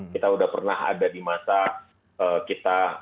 kita sudah pernah ada di masa kita